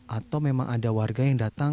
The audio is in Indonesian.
atau memang ada warga yang datang